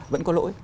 vẫn có lỗi